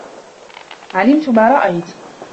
عَلِمْت مَا رَأَيْت